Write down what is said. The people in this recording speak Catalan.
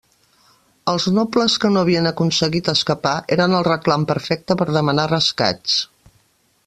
Els nobles que no havien aconseguit escapar eren el reclam perfecte per demanar rescats.